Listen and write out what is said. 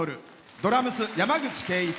ドラムス、山口圭一。